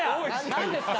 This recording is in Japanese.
何ですか？